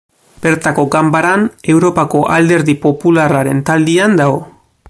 Bertako ganbaran, Europako Alderdi Popularraren taldean dago.